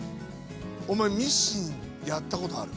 おまえミシンやったことある？